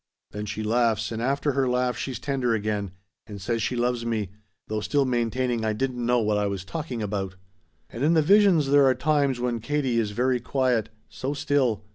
Then she laughs, and after her laugh she's tender again, and says she loves me, though still maintaining I didn't know what I was talking about! "And in the visions there are times when Katie is very quiet. So still.